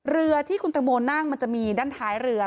เรือที่คุณตังโมนั่งมันจะมีด้านท้ายเรือ